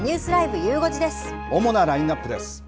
主なラインナップです。